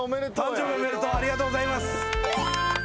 「誕生日おめでとう」ありがとうございます。